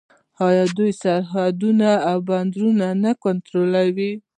آیا دوی سرحدونه او بندرونه نه کنټرولوي؟